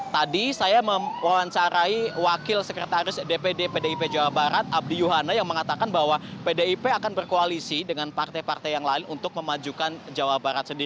tadi saya mewawancarai wakil sekretaris dpd pdip jawa barat abdi yuhana yang mengatakan bahwa pdip akan berkoalisi dengan partai partai yang lain untuk memajukan jawa barat